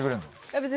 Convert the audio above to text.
別に。